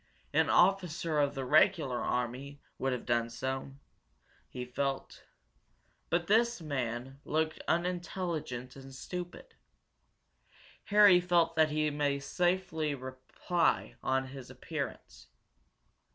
An officer of the regular army would have done so, he felt. But this man looked unintelligent and stupid. Harry felt that he might safely reply on his appearance.